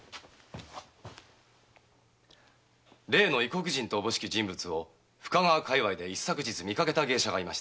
例の異国人らしき人物を深川界隈で見かけた芸者がいました。